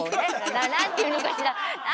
なんて言うのかしら。